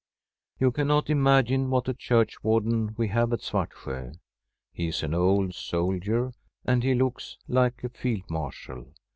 You cannot imagine what a churchwarden we have at Svartsjo. He is an old soldier, and he looks like a Field Marshal.